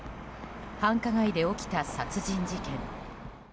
繁華街で起きた殺人事件。